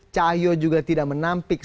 cahyokumolo juga tidak menampik